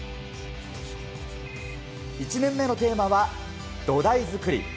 １年目のテーマは土台作り。